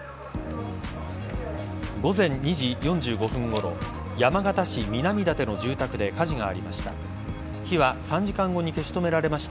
午前２時４５分ごろ山形市南館の住宅で火事がありました。